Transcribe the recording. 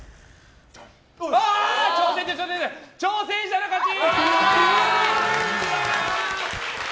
挑戦者の勝ち！